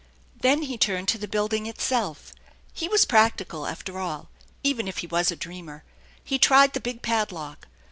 Then he turned to the building itself. He was practical, after all, even if he was a dreamer. He tried the big padlock.